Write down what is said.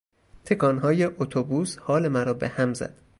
تکانهای اتوبوس حال مرا به هم زد.